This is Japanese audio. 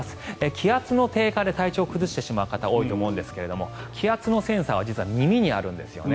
気圧の低下で体調を崩してしまう方多いと思うんですが気圧のセンサーは実は耳にあるんですよね。